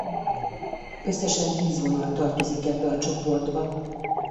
Összesen tíz vonal tartozik ebbe a csoportba.